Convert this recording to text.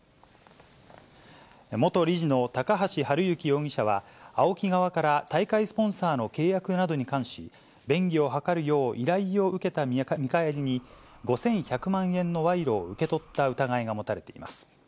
元理事の高橋治之容疑者は、ＡＯＫＩ側から大会スポンサーの契約などに関し、便宜を図るよう依頼を受けた見返りに、５１００万円の賄賂を受け取った疑いが持たれています。